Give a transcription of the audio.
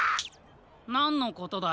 なんのことだよ？